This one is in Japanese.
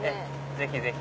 ぜひぜひ。